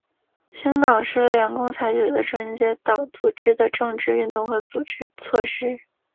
清党是联共采取的纯洁党组织的政治运动和组织措施。